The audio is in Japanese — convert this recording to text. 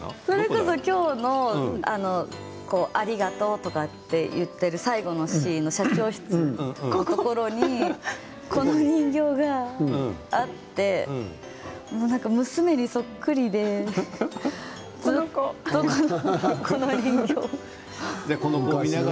それこそ今日のありがとうと言っていた最後のシーンの社長室にこの人形があって娘にそっくりで、この人形が。